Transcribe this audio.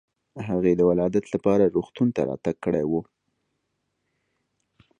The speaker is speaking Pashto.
هغې د ولادت لپاره روغتون ته راتګ کړی و.